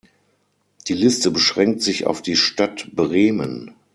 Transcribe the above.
Die Liste beschränkt sich auf die Stadt Bremen.